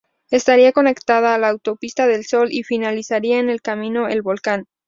Estaría conectada a la autopista del sol y finalizaría en Camino El Volcán.